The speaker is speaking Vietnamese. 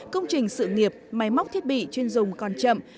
công trình sự nghiệp máy móc thiết bị chuyên dùng còn chậm